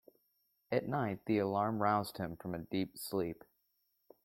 At night the alarm roused him from a deep sleep.